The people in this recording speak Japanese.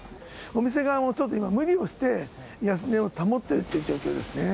お店側も、ちょっと今、無理をして、安値を保ってるって状況ですね。